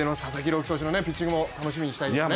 希投手のピッチングも期待したいですね。